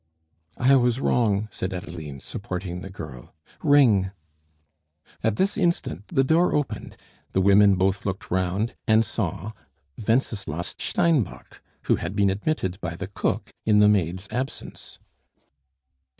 "I was wrong," said Adeline, supporting the girl. "Ring." At this instant the door opened, the women both looked round, and saw Wenceslas Steinbock, who had been admitted by the cook in the maid's absence.